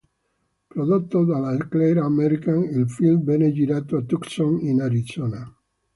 Prodotto dalla Eclair American, il film venne girato a Tucson in Arizona.